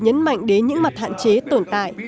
đặc biệt nhấn mạnh đến những mặt hạn chế tồn tại